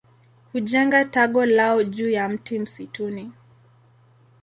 Hujenga tago lao juu ya mti msituni.